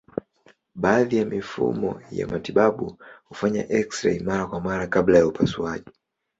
Baadhi ya mifumo ya matibabu hufanya eksirei mara kwa mara kabla ya upasuaji.